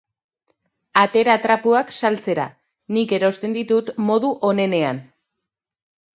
Atera trapuak saltzera, nik erosten ditut modu onenean